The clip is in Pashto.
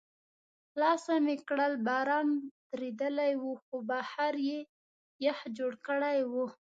خلاصه مې کړل، باران درېدلی و، خو بهر یې یخ جوړ کړی و.